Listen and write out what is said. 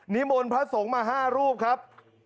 มนต์พระสงฆ์มา๕รูปครับ